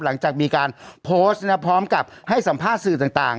หลังจากมีการโพสต์พร้อมกับให้สัมภาษณ์สื่อต่าง